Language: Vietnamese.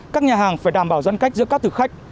các nhà hàng phải đảm bảo giãn cách giữa các thực khách